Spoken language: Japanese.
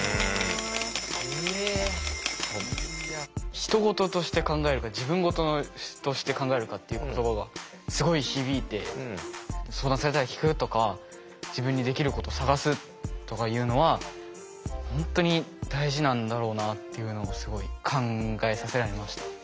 ひと事として考えるか自分事として考えるかっていう言葉がすごい響いて相談されたら聞くとか自分にできること探すとかいうのは本当に大事なんだろうなっていうのをすごい考えさせられました。